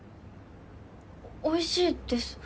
おいしいです。